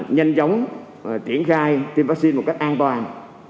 nhanh chóng và triển khai tiêm vaccine một cách an toàn